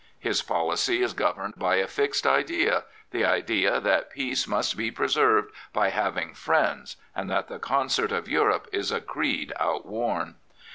His policy is governed by a fixed idea — ^the idea that peace must be preserved by having " friends " andthat the Concert of Europe is a creed outworn.